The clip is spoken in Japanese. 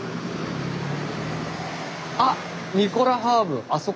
ニコラハーブあそこだ。